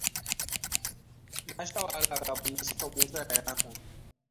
Nasaha wahala kafin na saka Musa yayi hakan.